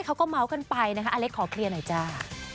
เขาก็เมาส์กันไปนะคะอเล็กขอเคลียร์หน่อยจ้า